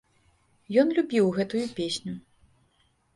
Ён любіў гэтую песню.